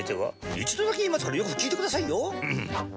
一度だけ言いますからよく聞いてくださいよ。